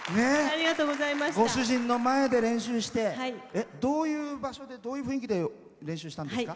ご主人の前で練習してどういう場所でどういう雰囲気で練習したんですか。